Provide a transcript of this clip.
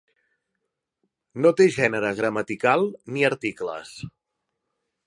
No té gènere gramatical ni articles.